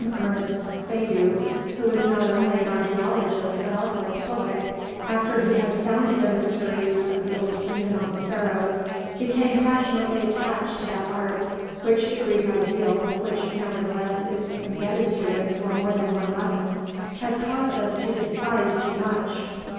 Ernest Feydeau, who is not only an archæologist but also a poet, after he had sounded the mysteries of the old kingdom of the Pharaohs, became passionately attached to that art which the Greek ideal which nevertheless is indebted to it for more than one lesson has caused us to despise too much.